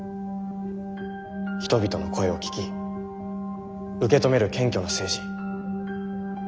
人々の声を聞き受け止める謙虚な政治。